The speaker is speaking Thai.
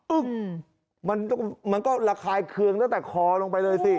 มันก็ระคายเคืองตั้งแต่คอลงไปเลยสิ